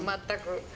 全く。